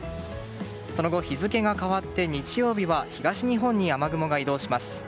その後、日付が変わって日曜日は東日本に雨雲が移動します。